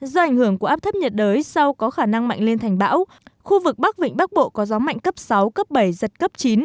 do ảnh hưởng của áp thấp nhiệt đới sau có khả năng mạnh lên thành bão khu vực bắc vịnh bắc bộ có gió mạnh cấp sáu cấp bảy giật cấp chín